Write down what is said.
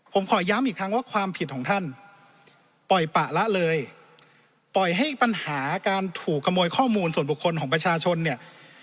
ผมขอย้ำอีกครั้งว่าความผิดของท่านปล่อยปะละเลยปล่อยให้ปัญหาการถูกขโมยข้อมูลส่วนบุคคลของประชาชนเนี่ย